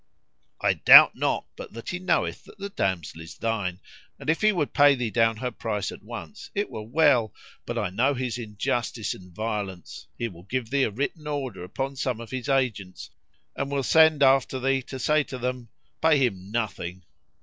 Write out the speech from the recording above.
I doubt not but that he knoweth that the damsel is thine, and if he would pay thee down her price at once it were well; but I know his injustice and violence; he will give thee a written order upon some of his agents and will send after thee to say to them, 'Pay him nothing.'